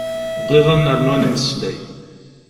Bɣiɣ ad nernu ad nmeslay.